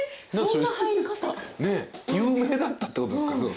有名だったってことですか？